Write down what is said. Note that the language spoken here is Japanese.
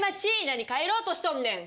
何帰ろうとしとんねん。